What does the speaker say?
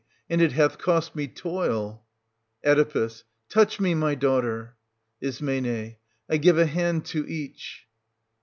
And it hath cost me toil. Oe. Touch me, my daughter ! Is. I give a hand to each.